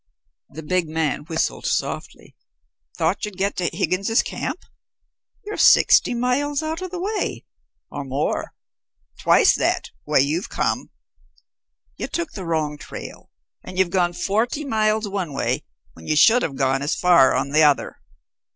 The big man whistled softly. "Thought you'd get to Higgins' Camp? You're sixty miles out of the way or more, twice that, way you've come. You took the wrong trail and you've gone forty miles one way when you should have gone as far on the other.